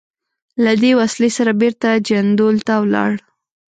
له دې وسلې سره بېرته جندول ته ولاړ.